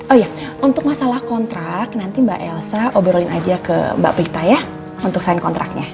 oh iya untuk masalah kontrak nanti mbak elsa obrolin aja ke mbak prita ya untuk sign kontraknya